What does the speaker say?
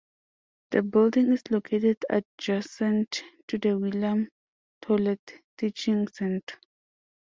The building is located adjacent to the William Hewlett Teaching Center.